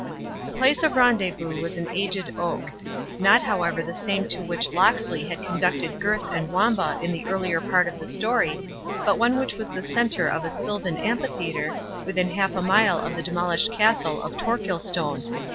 The place of rendezvous was an aged oak; not however the same to which Locksley had conducted Gurth and Wamba in the earlier part of the story, but one which was the centre of a silvan amphitheatre, within half a mile of the demolished castle of Torquilstone.